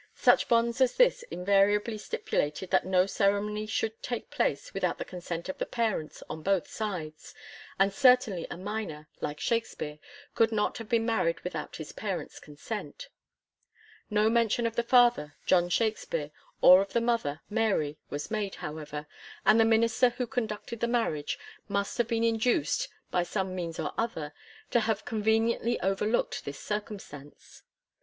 Such bonds as this invariably stipulated that no ceremony should take place without the consent of the parents on both sides, and certainly a minor, like Shakspere, could not have been married without his parents* consent. No mention of the father, John Shakspere, or of the mother, Mary, was made, however, and the minister who conducted the marriage must have been induced, by some means OP other, to have conveniently overlookt this circum stance.